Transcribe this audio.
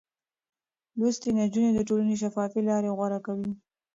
لوستې نجونې د ټولنې شفافې لارې غوره کوي.